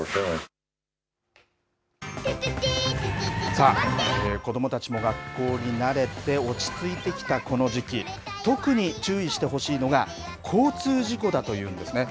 さあ、子どもたちも学校に慣れて、落ち着いてきたこの時期、特に注意してほしいのが交通事故だというんですね。